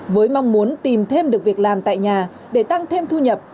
với mong muốn tìm thêm được việc làm tại nhà để tăng thêm thu nhập